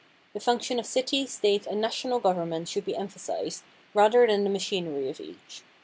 The function of city, State and national government should be emphasized, rather than the machinery of each.